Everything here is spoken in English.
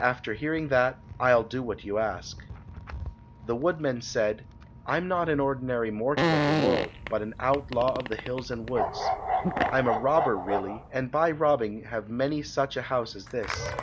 After hearing that I'll do what you ask." The woodman said, "I am not an ordinary mortal of the world, but am an outlaw of the hills and woods. I am a robber, really, and by robbing have many such a house as this.